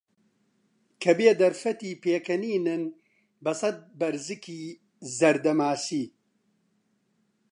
کەبێ دەرفەتی پێکەنینن بەسەد بەرزگی زەردە ماسی